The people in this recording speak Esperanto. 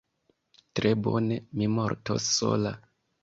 Tre bone: mi mortos sola.